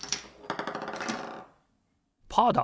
パーだ！